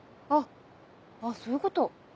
あっそういうこと。